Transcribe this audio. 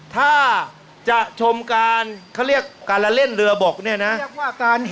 ถ้าจะชมการเขาเรียกการละเล่นเรือบกเนี่ยนะ